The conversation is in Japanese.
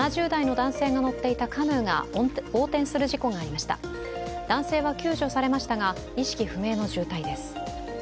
男性は救助されましたが、意識不明の重体です。